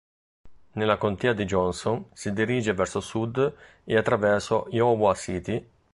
Nella Contea di Johnson si dirige verso sud e attraverso Iowa City.